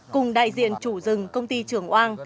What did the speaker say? cùng đại diện chủ rừng công ty trường oan